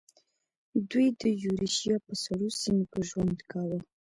دوی د یوریشیا په سړو سیمو کې ژوند کاوه.